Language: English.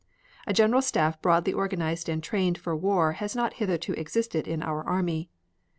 A General Staff broadly organized and trained for war had not hitherto existed in our army.